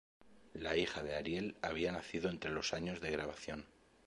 La hija de Ariel había nacido entre los años de grabación.